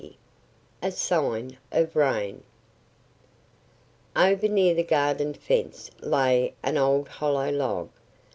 XX A SIGN OF RAIN OVER near the garden fence lay an old hollow log.